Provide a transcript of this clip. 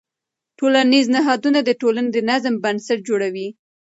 ټولنیز نهادونه د ټولنې د نظم بنسټ جوړوي.